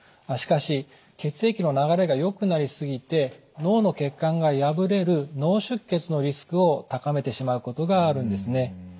しかし血液の流れがよくなり過ぎて脳の血管が破れる脳出血のリスクを高めてしまうことがあるんですね。